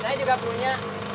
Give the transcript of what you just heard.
saya juga punya